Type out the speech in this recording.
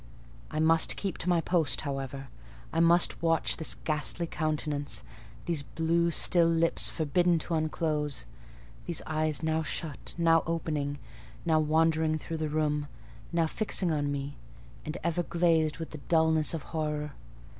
I must keep to my post, however. I must watch this ghastly countenance—these blue, still lips forbidden to unclose—these eyes now shut, now opening, now wandering through the room, now fixing on me, and ever glazed with the dulness of horror.